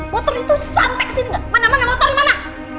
motor itu sampai ke sini gak mana mana motornya mana